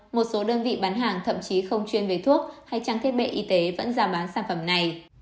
một số đơn vị bán hàng thậm chí không chuyên về thuốc hay trang thiết bị y tế vẫn ra bán sản phẩm này